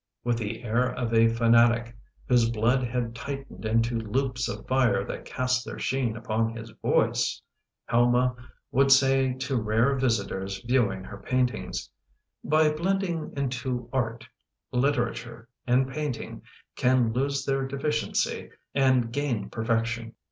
With the air of a fanatic whose blood had tightened into loops of fire that cast their sheen upon his voice, Helma would say to rare visitors viewing her paintings: " By blending into one, art, literature and painting can lose their deficiencies and gain perfection.